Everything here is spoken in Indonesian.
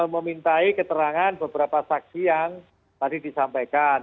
memintai keterangan beberapa saksi yang tadi disampaikan